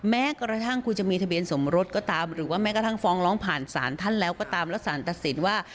แม้กระทั่งคุณจะมีทะเบียนสมรสก็ตามหรือว่าแม้กระทั่งฟ้องร้องผ่านศาลท่านแล้วก็ตามแล้วสารตัดสินว่า